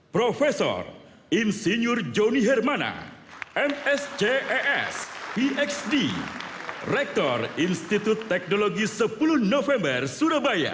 profesor insinyur joni hermana msc es pxd rektor institut teknologi sepuluh november surabaya